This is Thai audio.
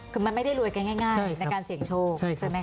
คือมันไม่ได้รวยกันง่ายในการเสี่ยงโชคใช่ไหมค